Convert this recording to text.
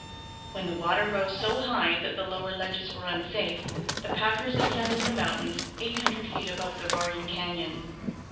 When the water rose so high that the lower ledges were unsafe, the packers ascended the mountains eight hundred feet above the roaring canyon.